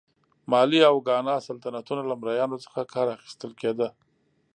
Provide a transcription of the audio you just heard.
مالي او ګانا سلطنتونه له مریانو څخه کار اخیستل کېده.